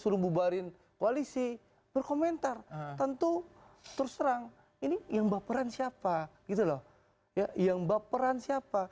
suruh bubarin koalisi berkomentar tentu terus terang ini yang baperan siapa gitu loh ya yang baperan siapa